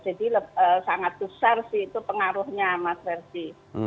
jadi sangat besar sih itu pengaruhnya mas fersi